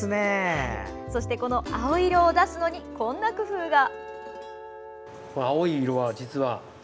そして、この青色を出すのにこんな工夫が。